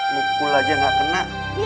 kukul aja gak kena